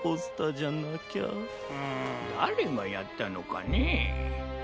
だれがやったのかねえ。